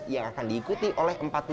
yang akan diikuti oleh empat anak anak